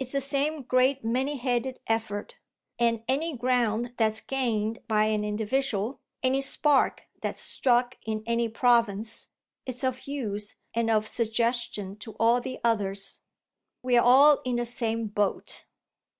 "It's the same great many headed effort, and any ground that's gained by an individual, any spark that's struck in any province, is of use and of suggestion to all the others. We're all in the same boat."